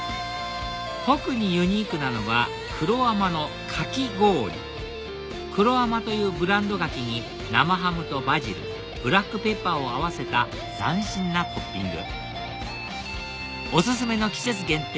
特にユニークなのは黒あまの柿氷黒あまというブランド柿に生ハムとバジルブラックペッパーを合わせた斬新なトッピングお薦めの季節限定